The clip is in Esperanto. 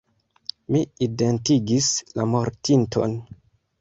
Mi identigis la mortinton.